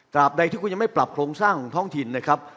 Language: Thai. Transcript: ใดที่คุณยังไม่ปรับโครงสร้างท้องถิ่นนะครับ